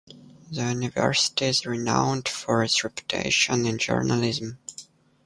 The university is renowned for its reputation in journalism.